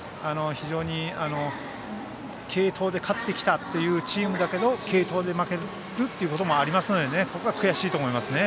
非常に継投で勝ってきたというチームだけど継投で負けることもありますのでここは悔しいと思いますね。